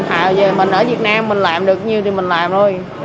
hạ về mình ở việt nam mình làm được nhiều thì mình làm thôi